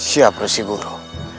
siap rasul guru